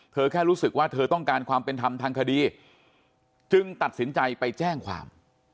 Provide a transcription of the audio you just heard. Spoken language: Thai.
แค่รู้สึกว่าเธอต้องการความเป็นธรรมทางคดีจึงตัดสินใจไปแจ้งความ